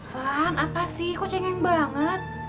van apa sih ku cengeng banget